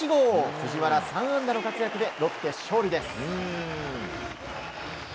藤原３安打の活躍でロッテ勝利です。